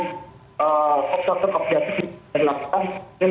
nah saya kira masyarakat itu wajib terus mengawasi proses kebijakan kasus sambung